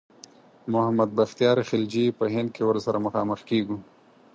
محمد بختیار خلجي په هند کې ورسره مخامخ کیږو.